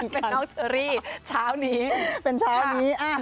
เป็นนอกเชอรี่เป็นเช้านี้